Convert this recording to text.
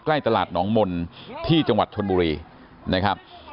ใกล้ตลาดหนองมนต์ที่จังหวัดชนบุรีนะครับ